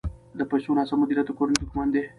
د پیسو ناسم مدیریت د کورنۍ دښمن دی.